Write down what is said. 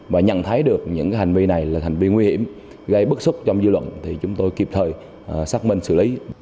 và nhận thấy được những hành vi này là hành vi nguy hiểm gây bức xúc trong dư luận thì chúng tôi kịp thời xác minh xử lý